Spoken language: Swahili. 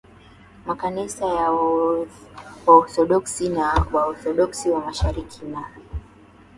Makanisa ya Waorthodoksi na ya Waorthodoksi wa Mashariki na